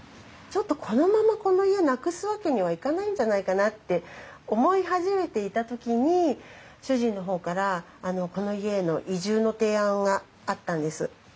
ちょっとこのままこの家なくすわけにはいかないんじゃないかなって思い始めていた時に主人の方からこの家への移住の提案があったんです。